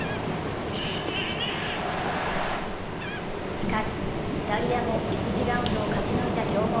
しかし、イタリアも１次ラウンドを勝ち抜いた強豪。